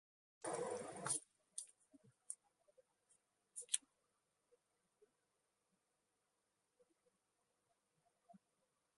ބާވަތް